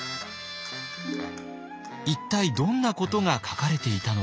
一体どんなことが書かれていたのか。